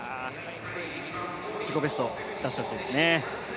自己ベストを出してほしいですね。